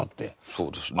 そうですね。